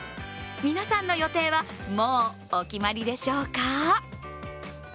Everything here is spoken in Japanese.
皆さんの予定はもうお決まりでしょうか？